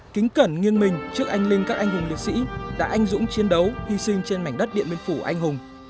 kính cẩn nghiêng mình trước anh linh các anh hùng liệt sĩ đã anh dũng chiến đấu hy sinh trên mảnh đất điện biên phủ anh hùng